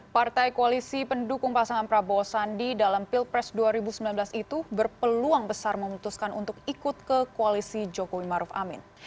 partai koalisi pendukung pasangan prabowo sandi dalam pilpres dua ribu sembilan belas itu berpeluang besar memutuskan untuk ikut ke koalisi jokowi maruf amin